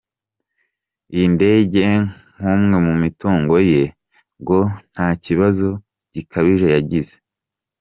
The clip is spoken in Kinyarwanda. Iyi ndege nk’umwe mu mitungo ye, ngo nta kibazo gikabije yagize .